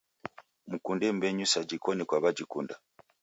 Mkunde mbenyuu sajikoni kwawajikunda